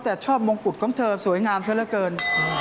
แต่ชอบมงกุฎของเธอสวยงามเธอเท่าไรเกิน